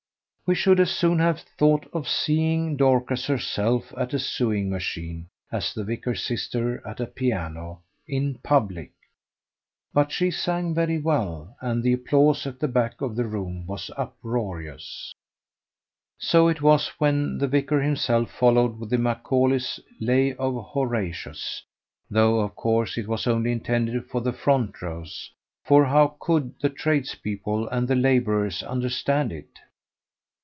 We should as soon have thought of seeing Dorcas herself at a sewing machine as the vicar's sister at a piano in public but she sang very well, and the applause at the back of the room was uproarious. So it was when the vicar himself followed with Macaulay's "Lay of Horatius," though of course it was only intended for the front rows for how could the tradespeople and the labourers understand it?